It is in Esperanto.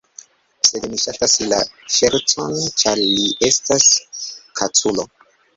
Sed mi ŝatas la ŝercon, ĉar li estas kaculo.